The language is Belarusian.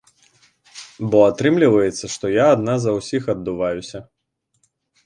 Бо атрымліваецца, што я адна за ўсіх аддуваюся.